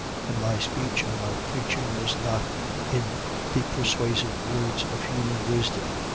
2:4. And my speech and my preaching was not in the persuasive words of human wisdom.